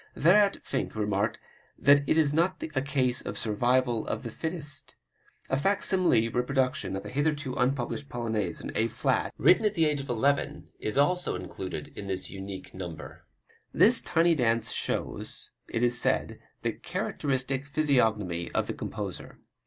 Thereat Finck remarked that it is not a case of survival of the fittest! A fac simile reproduction of a hitherto unpublished Polonaise in A flat, written at the age of eleven, is also included in this unique number. This tiny dance shows, it is said, the "characteristic physiognomy" of the composer.